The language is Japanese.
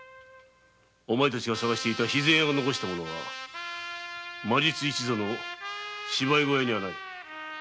お前たちが探していた肥前屋の残した物は魔術一座の芝居小屋にはない。